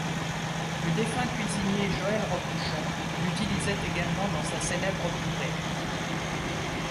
Le défunt cuisinier Joël Robuchon l'utilisait également dans sa célèbre purée.